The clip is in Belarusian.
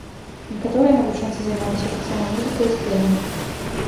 Некаторыя навучэнцы займаліся таксама музыкай і спевамі.